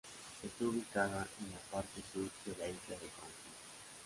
Está ubicado en la parte sur de la isla de Hong Kong.